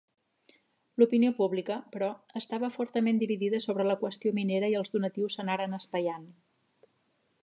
L'opinió pública, però, estava fortament dividida sobre la qüestió minera i els donatius s'anaren espaiant.